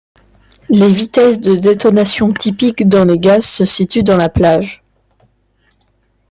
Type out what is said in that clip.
Les vitesses de détonation typiques dans les gaz se situent dans la plage -.